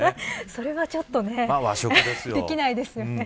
それはちょっとねできないですよね。